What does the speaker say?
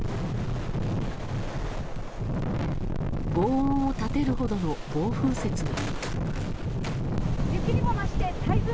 轟音を立てるほどの暴風雪が。